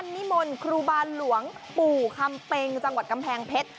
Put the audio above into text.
นิมนต์ครูบาลหลวงปู่คำเป็งจังหวัดกำแพงเพชร